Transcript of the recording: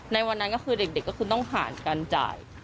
ในวันนั้นก็คือเด็กก็คือต้องผ่านการจ่าย